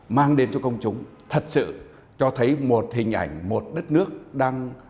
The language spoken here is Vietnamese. mang đến cho công chúng thật sự cho thấy một hình ảnh một đất nước đang